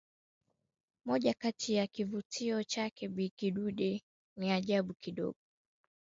Moja Kati ya kivutio chake Bi kidude ni ajabu kidogo